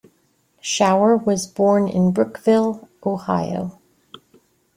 Shower was born in Brookville, Ohio.